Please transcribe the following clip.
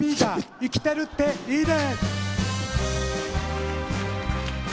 生きてるっていいね！」。